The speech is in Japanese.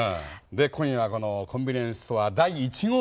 今夜はこのコンビニエンスストア第１号店